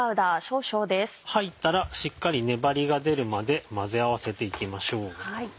入ったらしっかり粘りが出るまで混ぜ合わせていきましょう。